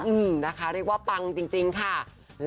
นะคะเรียกว่าปังจริงค่ะ